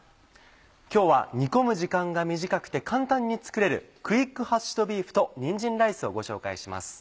今日は煮込む時間が短くて簡単に作れるクイックハッシュドビーフとにんじんライスをご紹介します。